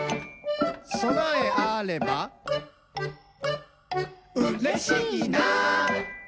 「そなえあればうれしいな！」